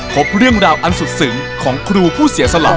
พบเรื่องราวอันสุดซึ้งของครูผู้เสียสละ